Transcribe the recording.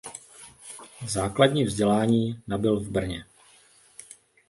Základní vzdělání nabyl v Brně.